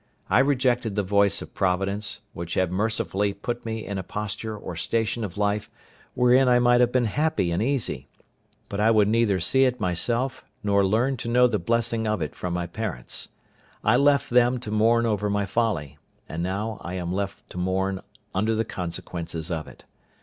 I rejected the voice of Providence, which had mercifully put me in a posture or station of life wherein I might have been happy and easy; but I would neither see it myself nor learn to know the blessing of it from my parents. I left them to mourn over my folly, and now I am left to mourn under the consequences of it.